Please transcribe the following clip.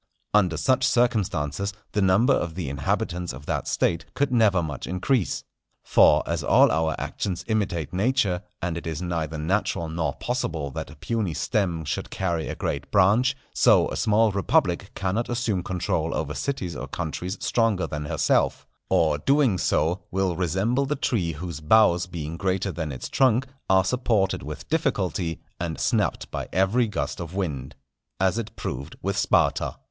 Under such circumstances the number of the inhabitants of that State could never much increase. For as all our actions imitate nature, and it is neither natural nor possible that a puny stem should carry a great branch, so a small republic cannot assume control over cities or countries stronger than herself; or, doing so, will resemble the tree whose boughs being greater than its trunk, are supported with difficulty, and snapped by every gust of wind. As it proved with Sparta.